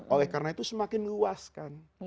oleh karena itu semakin luas kan